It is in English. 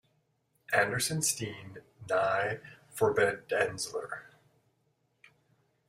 Andersen, Steen: Nye forbindelser.